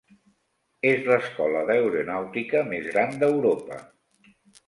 És l'escola d'aeronàutica més gran d'Europa.